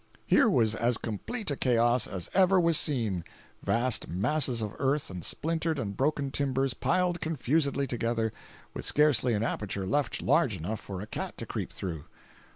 Here was as complete a chaos as ever was seen—vast masses of earth and splintered and broken timbers piled confusedly together, with scarcely an aperture left large enough for a cat to creep through.